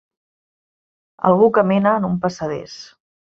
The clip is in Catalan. Algú camina en un passadís.